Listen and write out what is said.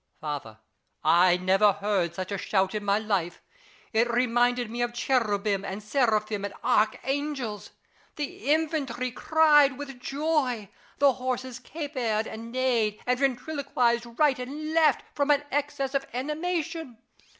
Father, I never heard such a shout in my life : it reminded me of Cherubim and Seraphim and Archangels. The infantry cried with joy ; the horses capered and neighed and ventriloquised right and left, from an excess of animation.